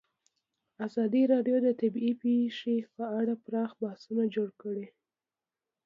ازادي راډیو د طبیعي پېښې په اړه پراخ بحثونه جوړ کړي.